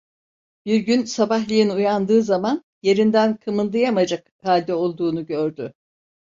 Bir gün sabahleyin uyandığı zaman, yerinden kımıldayamayacak halde olduğunu gördü.